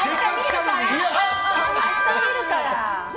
明日見るから！